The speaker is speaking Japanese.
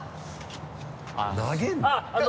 投げるの？